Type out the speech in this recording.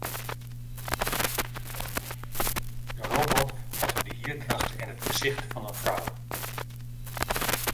De robot hat de hierdracht en it gesicht fan in frou.